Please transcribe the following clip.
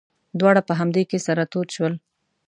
دواړه په همدې کې سره تود شول.